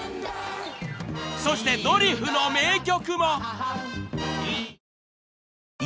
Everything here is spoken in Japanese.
［そしてドリフの名曲も！］